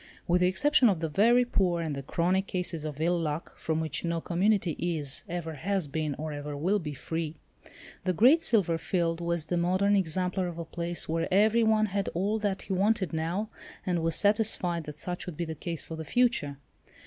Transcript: With the exception of the very poor and the chronic cases of ill luck from which no community is, ever has been, or ever will be free, the Great Silver Field was the modern exemplar of a place where every one had all that he wanted now, and was satisfied that such would be the case for the future.